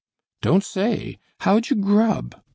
"Don't say! How'd you grub?